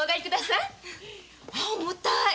ま重たい。